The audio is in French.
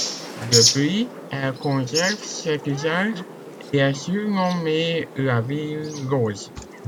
Depuis, elle conserve cet usage et est surnommée la ville rose.